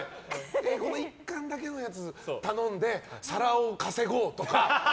１貫だけのやつ頼んで皿を稼ごうとか。